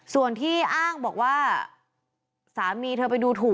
ส่วนที่อ้างบอกว่าสามีเธอไปดูถูก